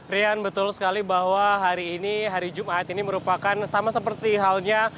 rian betul sekali bahwa hari ini hari jumat ini merupakan sama seperti halnya